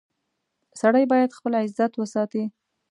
• سړی باید خپل عزت وساتي.